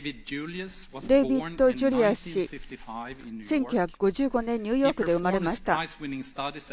デイビッド・ジュリアス氏、１９５５年、ニューヨークで生まれました。